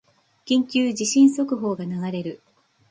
緊急地震速報が流れる